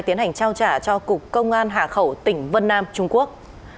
tiến hành trao trả cho cục công an hà khẩu tỉnh vân nam trung quốc